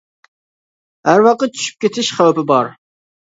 ھەر ۋاقىت چۈشۈپ كېتىش خەۋپى بار.